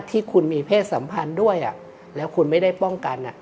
ที่คุณมีเพศสัมพันธ์ด้วยแล้วคุณไม่ได้ป้องกัน